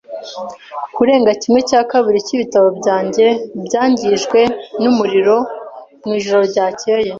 Kurenga kimwe cya kabiri cyibitabo byanjye byangijwe numuriro mwijoro ryakeye.